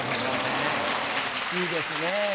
いいですね。